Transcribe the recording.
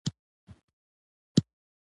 احمد اوس په مغزي ګرزي.